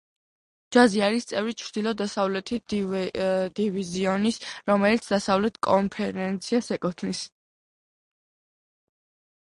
ჯაზი არის წევრი ჩრდილო-დასავლეთი დივიზიონის, რომელიც დასავლეთ კონფერენციას ეკუთვნის.